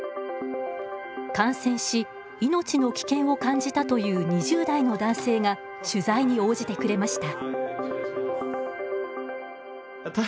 感染し命の危険を感じたという２０代の男性が取材に応じてくれました。